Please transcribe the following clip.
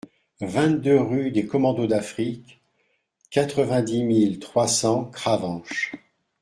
vingt-deux rue des Commandos d'Afrique, quatre-vingt-dix mille trois cents Cravanche